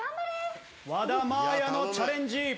和田まあやのチャレンジ。